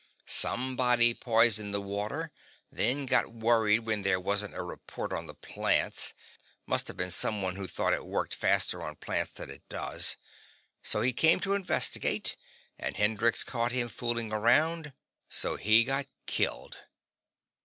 Somebody poisoned the water, then got worried when there wasn't a report on the plants; must have been someone who thought it worked faster on plants than it does. So he came to investigate, and Hendrix caught him fooling around. So he got killed."